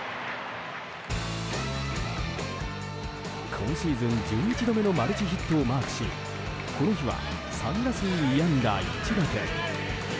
今シーズン１１度目のマルチヒットをマークしこの日は３打数２安打１打点。